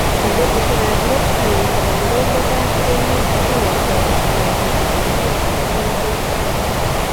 Eng betusiekab let, kiesio kandoindetab emet tuyosiekab bolatet amu kinamdakei kutik choto.